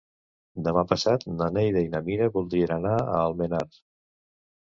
Demà passat na Neida i na Mira voldrien anar a Almenar.